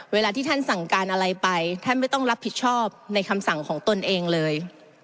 เวลาที่ท่านสั่งการอะไรไปท่านไม่ต้องรับผิดชอบในคำสั่งของตนเองเลย